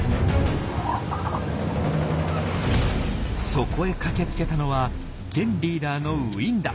そこへ駆けつけたのは現リーダーのウィンダ。